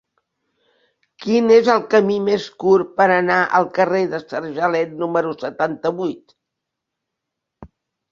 Quin és el camí més curt per anar al carrer de Sargelet número setanta-vuit?